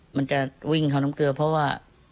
มันจะวิ่งเข้าน้ำเกลือเพราะว่า